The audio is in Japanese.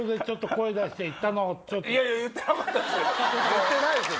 言ってないですよ